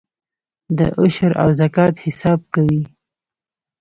د عشر او زکات حساب کوئ؟